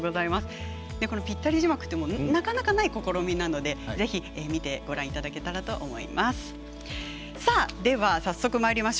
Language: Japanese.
このぴったり字幕ってなかなかない試みなのでぜひご覧いただけたらと思います。